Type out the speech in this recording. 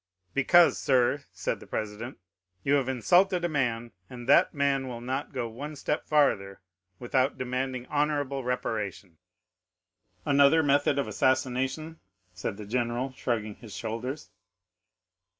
"'"Because, sir," said the president, "you have insulted a man, and that man will not go one step farther without demanding honorable reparation." "'"Another method of assassination?" said the general, shrugging his shoulders.